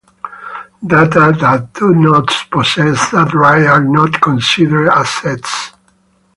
Data that do not possess that right are not considered assets.